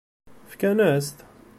Fkan-as-t?